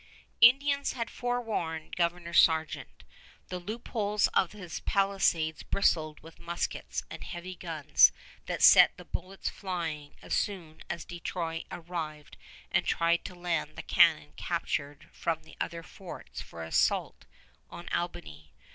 Indians had forewarned Governor Sargeant. The loopholes of his palisades bristled with muskets and heavy guns that set the bullets flying soon as De Troyes arrived and tried to land the cannon captured from the other forts for assault on Albany.